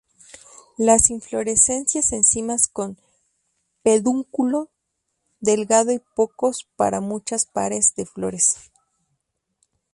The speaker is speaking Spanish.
Las inflorescencias en cimas con pedúnculo delgado y pocos para muchas pares de flores.